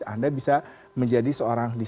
anda bisa menjadi seorang